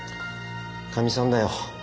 かみさんだよ。